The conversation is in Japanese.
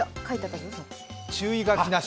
注意書きなし？